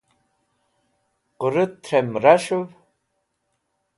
qurut threm ras̃huv